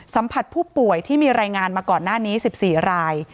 สัมผัสผู้ป่วยที่มีรายงานมาก่อนหน้านี้๑๔ราย